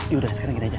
yaudah sekarang kita aja